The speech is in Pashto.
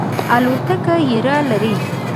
الوتکه یره لرئ؟